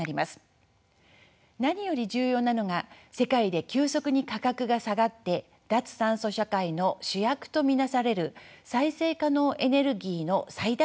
何より重要なのが世界で急速に価格が下がって脱炭素社会の主役と見なされる再生可能エネルギーの最大限の導入です。